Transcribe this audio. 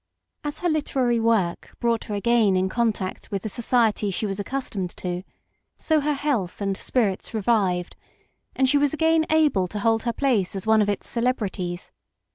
As her literary work brought her again in con tact with the society she was accustomed to, so her health and spirits revived, and she was able again to hold her place as one of its celebrities.